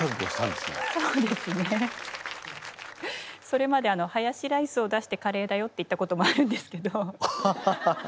それまでハヤシライスを出して「カレーだよ」って言ったこともあるんですけど。